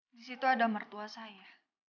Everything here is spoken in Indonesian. disitu ada mertua saya